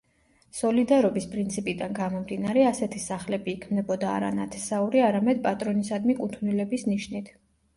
სოლიდარობის პრინციპიდან გამომდინარე ასეთი სახლები იქმნებოდა არა ნათესაური, არამედ პატრონისადმი კუთვნილების ნიშნით.